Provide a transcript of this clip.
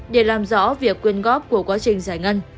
để làm rõ việc quyền góp của quá trình giải ngân